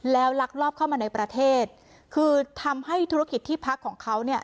แล้วลักลอบเข้ามาในประเทศคือทำให้ธุรกิจที่พักของเขาเนี่ย